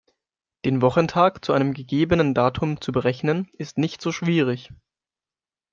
Den Wochentag zu einem gegebenen Datum zu berechnen, ist nicht so schwierig.